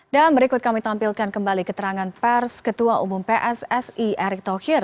dan berikut kami tampilkan kembali keterangan pers ketua umum pssi erick thauhir